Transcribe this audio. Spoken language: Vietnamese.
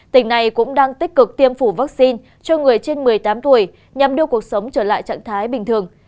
tỉnh này cũng đang tích cực tiêm phổi vaccine cho người trên một mươi tám tuổi nhằm đưa cuộc sống trở lại trạng thái bình thường